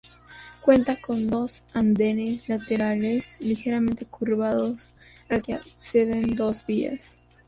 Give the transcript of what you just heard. Cuenta con dos andenes laterales ligeramente curvados al que acceden dos vías.